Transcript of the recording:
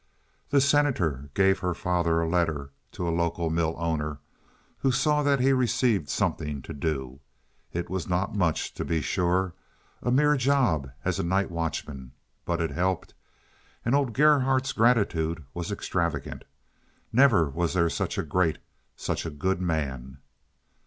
The Senator gave her father a letter to a local mill owner, who saw that he received something to do. It was not much, to be sure, a mere job as night watchman, but it helped, and old Gerhardt's gratitude was extravagant. Never was there such a great, such a good man!